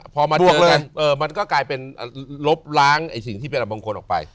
พอมาดวงกันมันก็กลายเป็นลบล้างไอ้สิ่งที่เป็นบางคนออกไป